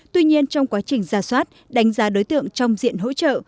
tuy nhiên trong quá trình ra soát đánh giá đối tượng trong diện hỗ trợ